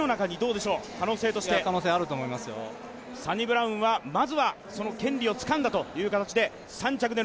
サニブラウンはまずはその権利をつかんだということで。